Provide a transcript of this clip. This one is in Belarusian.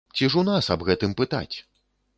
Ці ж у нас аб гэтым пытаць?